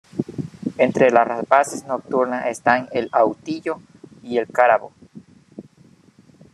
Entre las rapaces nocturnas están el autillo y el cárabo.